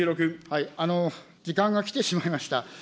時間が来てしまいました。